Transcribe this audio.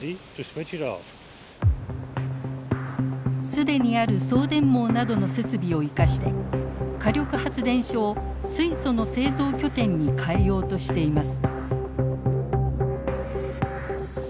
既にある送電網などの設備を生かして火力発電所を水素の製造拠点に変えようとしています。